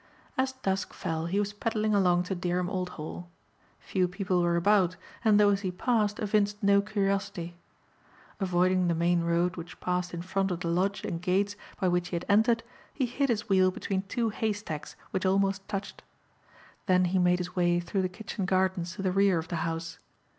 As dusk fell he was pedalling along to Dereham Old Hall. Few people were about and those he passed evinced no curiosity. Avoiding the main road which passed in front of the lodge and gates by which he had entered, he hid his wheel between two hay stacks which almost touched. Then he made his way through the kitchen gardens to the rear of the house.